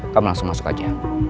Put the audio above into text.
kamu langsung masuk aja